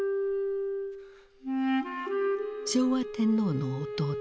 昭和天皇の弟